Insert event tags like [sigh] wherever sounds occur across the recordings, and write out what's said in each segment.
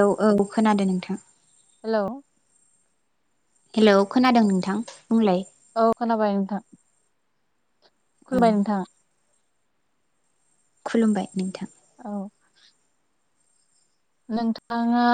औ औ खोनादों नोंथां। हेलौ हेलौ खोनादों नोंथां बुंलाय औ खोनाबाय नोंथां। औ खुलुमबाय नोंथां। खुलुमबाय नोंथां। औ। नोंथाङा।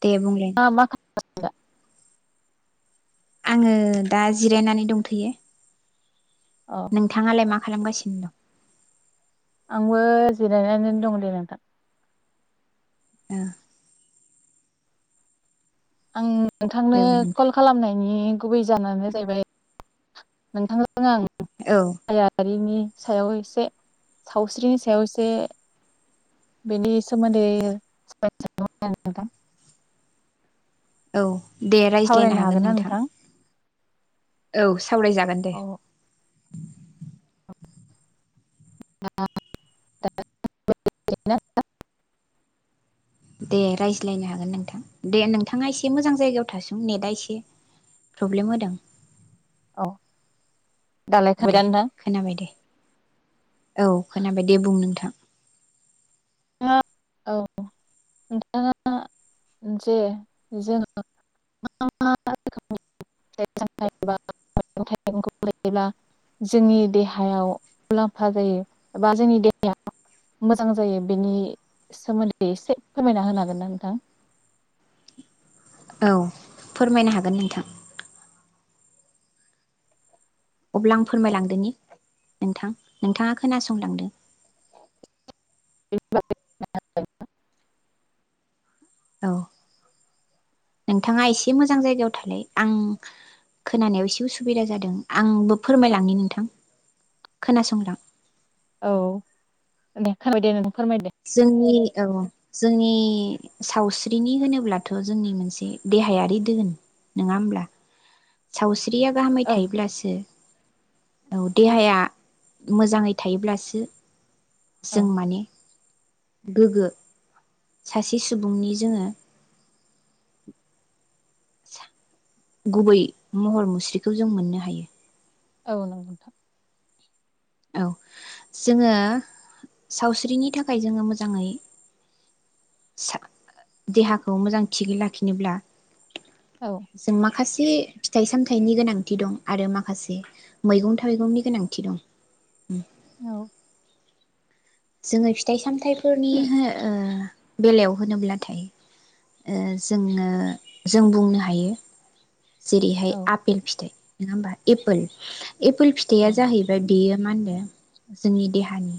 दे बुंलाय। [unintelligible] आङो दा जिरायनानै दंथयो। औ नोंथाङालाय मा? खालामगासिनो दं। आंबो जिरायनानै दङ दे नोंथां। ओ। आं। औ नोंथांनो नोंथां कल खालामनाय। गुबै जानो जाहैबाय नोंथां। औ आं यारिनि सायाव एसे सावस्रिनि सायाव एसे बेनि सोमोन्दै [inaudible] औ। दे रायज्लायनो हागोन नोंथां। औ। सावरायजागोन दे। औ [unintelligible] दे रायज्लायनो हागोन नोंथां दे नोंथाङासे। एसे मोजां जायगायाव थासोम नेटआ एसे प्रब्लेम होदों। औ दालाय खाबाय दे दा नोंथां खोनाबाय दे औ खोनाबाय दे बुं नोंथां। ना औ नोंथाङा जे जोङो मा मा रोखोमनि एबा मैगं थाइगंखौ लायोब्ला जोंनि देहायाव मुलाम्फा जायो एबा जोंनि देहाया मोजां जायो। बेनि सोमोन्दै एसे फोरमायना होनो हागोन ना नोंथां। औ फोरमायनो हागोन नोंथां। अब्ला आं फोरमायलांदोनि नोंथां नोंथाङा खोनासंलांदो। [unintelligible] औ नोंथाङा एसे मोजां जायगायाव थालाय आं खोनानायाव एसे उसुबिदा जादों आंबो फोरमायलांनि नोंथां खोनासंलां औ दे खोनाबाय दे नों। जोंनि। औ जोंनि सावस्रिनि होनोब्लाथ जोंनि मोनसे देहायारि धोन नङा होमब्ला सावसि द्रिया गाहामाय औ थायोब्लासो। देहाया मोजाङै थायोब्लासो औ जों माने गोग्गो सासे सुबुंनि जोङो सा गुबै महर मुस्रिखौ जों मोननो हायो। औ नोंथां। औ जोङो सावस्रिनि थाखाय जोङो मोजाङै सा- देहाखौ मोजां थिगै लाखिनोब्ला औ जों मा खासे फिथाइ सामथाइनि गोनांथि दं आरो माखासे मैगं थाइगंनि गोनांथि दं। उम। औ जोङो फिथाइ सामथाय फोरनि हो ओ बेलायाव होनोब्लाथाय ओ जोङो जों बुंनो हायो जेरैहाय औ आफेल फिथाइ नोङा होमबा एपल एपोल औ फिथाइया जाहैबाय बेयो मा होनदो जोंनि देहानि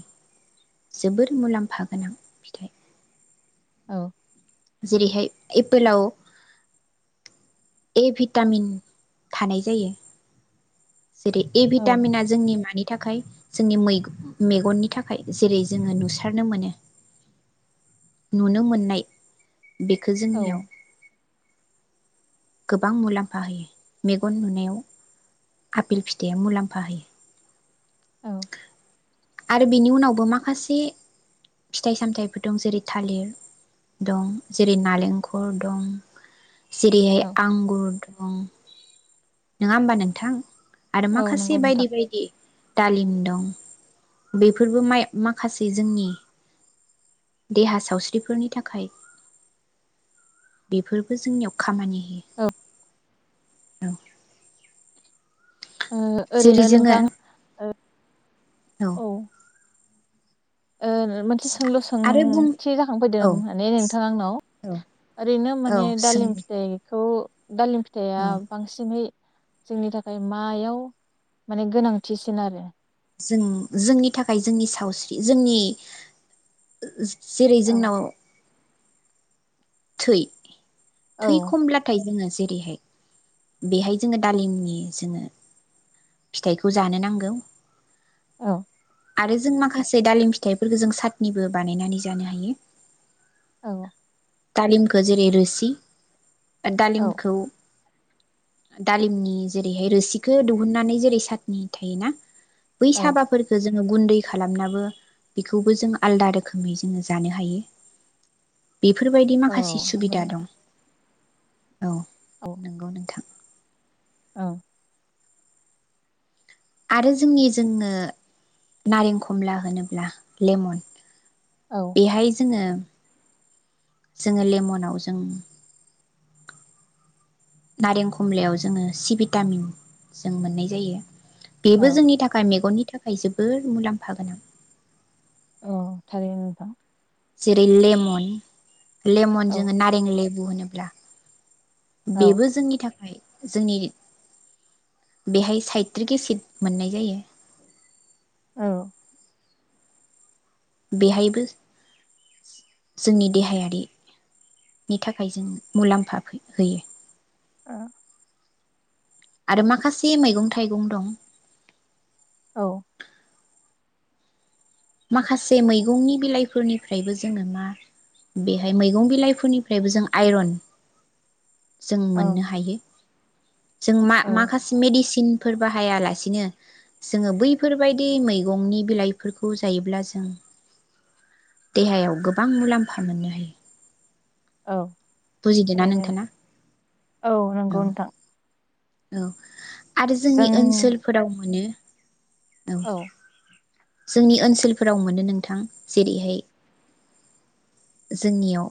जोबोर मुलाम्फा गोनां फिथाइ। औ जेरैहाय एपोलाव ए भिटामिन थानाय जायो। जेरै ए औ भिटामिना जोंनि मानि थाखाय जोंनि मैग मेगननि थाखाय जेरै जोङो नुसारनो मोनो नुनो मोननाय बेखो औ जोंनियाव गोबां मुलाम्फा होयो मेगन नुनायाव आफेल फिथाइया मुलाम्फा होयो। आरो बेनि उनावबो माखासे फिथाइ सामथायइफोर दं जेरै थालिर दं जेरै नालेंखल दं। जेरैहाय औ आंगुर उम। नोङा होमबा नोंथां आरो औ माखासे नंगौ बायदि नोंथां बायदि दालिम दं बेफोरबो माइ माखासे जोंनि देहा सावस्रिफोरनि थाखाय बेफोरबो जोंनियाव खामानि औ [unintelligible] औ ओ जेरै ओरैनो [unintelligible] जोङो नोंथां औ ओ मोनसे सोंलु आरो बुं सोंथि जाखांफैदों औ माने नोंथां आंनाव ओरैनो औ माने सों दालिम फिथाइखौ दालिम फिथाइया औ बांसिनै जोंनि थाखाय मायाव माने गोनांथिसिन आरो जों जोंनि थाखाय जोंनि सावस्रि जोंनि जेरै औ जोंनाव थै औ थै खमब्लाथाय जोङो जेरैहाय बेहाय जोङो दालिमनि जोङो फिथाइखौ जानो नांगौ औ आरो जों माखासे दालिम फिथाइफोरखौ जों साटनिबो बानायनानै जानो हायो औ दालिमखौ जेरै रोसि औ दालिमखौ दालिमनि जेरैहाय रोसिखौ दिहुननानै जेरै सातनि थायोना बै औ साबाफोरफोरखौ जों गुन्दै खालामनाबो बेखौबो जों आलदा रोखोमै जोङो जानो हायो बेफोर बेबायदि औ माखासे सुबिदा नंगौ दं औ नंगौ नोंथां ओ आरो जोंनि जोंनो नारें खमला होनोब्ला लेमन औ बेहाय जोङो जोङो लेमनाव जों नारें खमलायाव जोङो सि भिटामिन जों मोननाय जायो बेबो औ जोंनि थाखाय मेगननि थाखाय जोबोर मुलाम्फा गोनां औ थारैनो नोंथां जिरै लेमन लेमन जोंङ औ नारें ले होनोब्ला औ बेबो जोंनि थाखाय जोंनि बेहाय साइत्रिक एसिट मोननाय जायो औ बेहायबो जोंनि देहायारिनि थाखाय जों मुलाम्फा होयो ओ आरो माखासे मैगं थाइगं दं औ माखासे मैगंनि बिलाइफोरनिफ्रायबो जोङो बेहाय मैगं बिलाइफोरनिफ्रायबो जों आइरन जों औ मोननो हायो जों औ मा-माखासे मेडिसिन फोर बाहायालासिनो जोङो बैफोरबायदि मैगंनि बिलाइफोर खौ जायोब्ला जों देहायाव गोबां मुलाम्फा मोननो हायो औ बुजिदोंना ओै नोंथाङा नोंथां औ नंगौ नोंथां औ आरो जों जोंनि ओनसोलफोराव मोनो [unintelligible] औ जोंनि ओनसोलफोराव मोनो नोंथां जेरैहाय जोंनियाव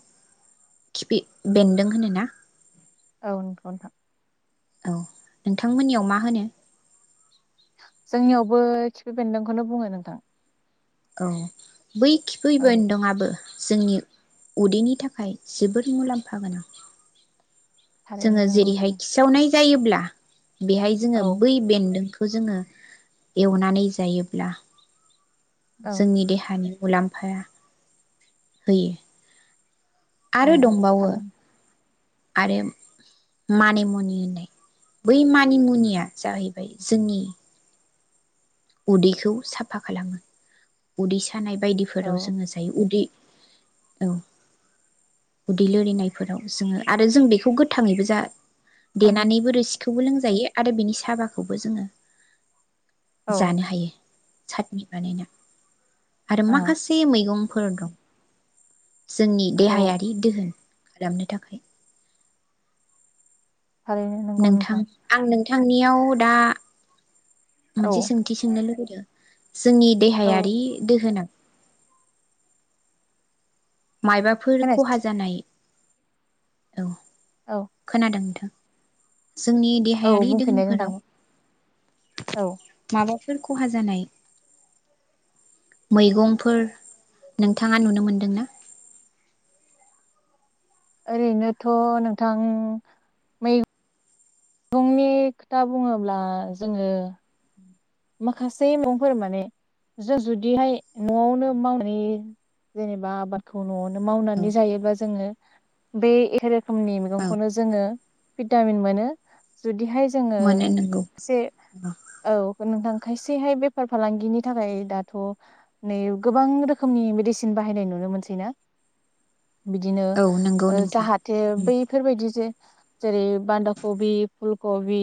खिफि बेन्दों होनोना? औ थथां [unintelligible] औ नोंथांमोननियाव मा होनो? जोंनियावबो खिफि बेन्दोंखौनो बुङो नोंथां। औ बै खिफै औ बेनदोंयाबो जोंनि उदैनि थाखाय जोबोर मुलाम्फा गोनां थारैनो जोङो नंगौ जेरैहाय नोंथां खिसावनाय जायोब्ला बेहाय औ जोङो बै बेन्दों जोङो एवनानै जायोब्ला औ जोंनि देहानि मुलाम्फाया होयो आरो उम दंबावो थारैनो आरो मानिमुनि होननाय बै मानिमुनिया जाहैबाय जोंनि उदैखौ साफा खालामो उदै थानाय औ बायदिफोराव जोङो जायो उदै औ उदै लोरिनायफोराव जोङो आरो जों बेखौ गोथाङैबो जा ओम देनानैबो रोसिख खौबो लोंजायो आरो बेनि साबाखौबो जोङो औ जानो हायो साटनि बानायना आरो माखासे मैगं फोर दं जोंनि औ देहायारि दोहोन खालामनो थाखाय थारैनो नंगौ नोंथां आं नोंथां नियाव दा औ मोनसे सोंथि सोंनो लुगैदो [inaudible] जोंनि औ देहायारि दोहोना मायबाफोर खहा खोनायासै जानाय औ औ खोनादों नोंथां। जोंनि औ देहायारि बुंफिननाय नोंथां दोहोनफोराव औ माबाफोर खहा जानाय मैगंफोर नोंथाङा नुनो मोनदोंना? ओरैनोथ नोंथां मै गंनि खोथा बुंङोब्ला जोंङो माखासे मुंफोर माने जों जुदिहाय नआवनो मावनानै जेनेबा आबादखौ न'आवनो औ मावनानै जायोबा जोंङो बे रोखोमनि औ मैगंखौनो जोंङो भिटामिन मोनो जुदिहाय जोंङो मोनो नोंगौ एसे औ रां खायसेहाय बेफार फालांगिनि थाखाय दाथ नै गोबां रोखोमनि मेडिसिन बाहायनाय नुनो मोनसै ना? बिदिनो औ नंगौ ओ नोंथां जाहाथे बैफोरबायदि जे जेरै बान्दाखबि, फुलकबि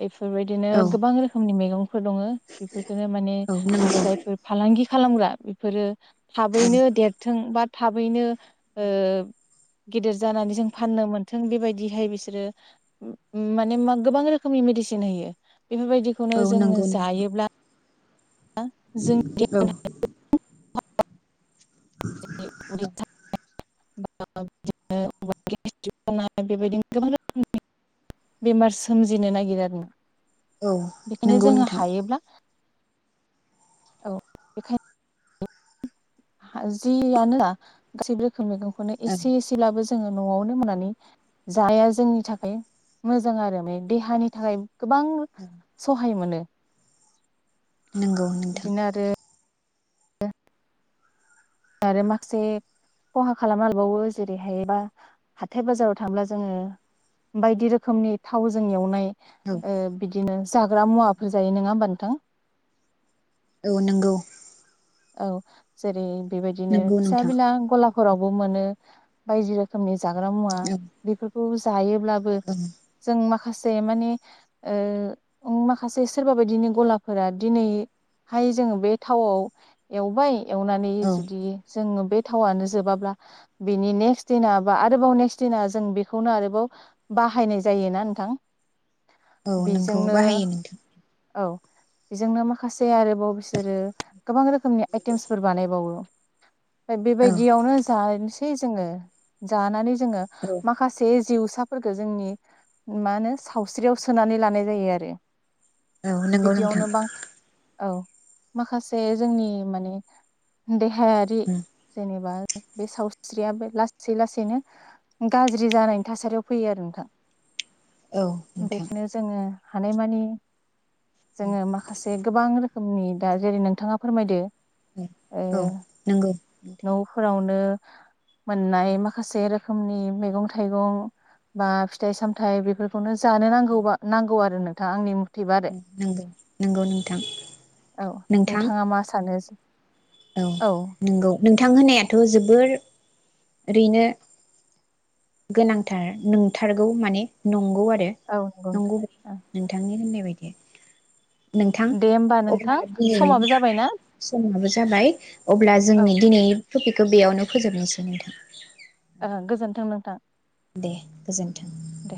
बेफोरबायदिनो औ गोबां रोखो नि मैगं फोर दंङो बेफोरखौनो माने औ नंगौ जायफोर फालांगि खालामग्रा बेफोरो थाबैनो देरथों बा थाबैनो ओ गेदेर जानानै जों फाननो मोनथों बे बायदिहाय बिसोरो उम माने मा गोबां रोखोमनि मेडिसिन होयो बेफोरबाय खौनो औ जोंङो नंगौ नोंथां जायोब्ला आ जोंनि औ देहायाव [unintelligible] [unintelligible] गोबां रोखोमनि बेमार सोमजिनो नागिरो आरो ना औ बेखायनो नंगौ जोंङो नोंथां हायोब्ला औ बेखायन हा जि आनो जा गासैबो खौ मैगं खौनो औ एसे एसे लाबो ज जोंङो न'आवनो मोननानै जाया जोंनि थाखाय मोजां आरो नै देहानि थाखाय गोबां सहाय मोनो नंगौ नोंथां। बिदिनो आरो आरो माखसे खहा खालामनाबावो जेरै हाय बा हाथथाय बाजाराव थांब्ला जोंङो बायदि रोखोमनि थावजों एवनाय औ ओ बिदिनो जाग्रा मुवाफोर जायो नङा होमबा नोंथां औ नंगौ औ जेरै बेबायदिनो नंगौ फिसा नोंथां बिला गलाब फोरावबो मोनो बायदि रोखोमनि जाग्रा मुवा औ बेफोरखौ जायो ब्लाबो औ जों माख माखासे माने माखासे सोरबा बायदिनि गलाफोरा दिनैहाय जोङो बे थावआव एवबाय एवनानै औ जुदि जोङो बे थावनो जोबाब्ला बिनि नेक्स्ट दिना बा आरोबाव नेक्स्ट दिना जों बेखौनो आरोबाव बाहायनाय जायोना नोंथां औ नोंखौ बेजोंनो बाहायो नोंथां औ बेजोंनो माखासे आरोबाव बिसोरो गोबां रोखोम खोमनि आइटेमसफोर बानायबावो ओम औ बेबायदियावनो जानोसै जोङो जानानै जोङो औ माखासे जिउसाफोरफोरखौ जोंनि मा होनो सावस्रियाव सोनानै लानाय जायो आरो औ नंगौ नोंथां बिदियावनो बां औ माखासे जोंनि माने देहायारि जेनेबा बे सावस्रिया लासै लासैनो गाज्रि जानायनि थासारियाव फैयो आरो नोंथां औ नोंथां बेखौनो जोङो हानायमानि जोङो माखासे गोबां रोखोम रोखमनि दा जेरै नोंथाङा फोरमायदो ओ औ औ नंगौ नोंथां नफोरावनो मोननाय माखासे रोखोमनि मैगं थाइगं बा फिथाइ सामथायाइ बेफोरखौनो जानो नांगौबा नांगौ आरो नोंथाङा आंनि मथेबा आरो नंगौ-नंगौ-नोंथां-नोंथां मा मा सानोसै औ नंगौ नोंथां होनायाथ जोबोर ओरैनो गोनांथार नंथारगौ माने नंगौ आरो नंगौ नोंथांनि होननाय बेबायदि नोंथां दे होमबा नोंथां अब्ला दिनैनि समाबो जाबायना समाबो जाबाय अब्ला औ जोंनि दिनै टपिकखौ बेयावनो फोजोबनोसै नोंथां [inaudible] ओ गोजोन्थों नोंथां दे गोजोन्थों दे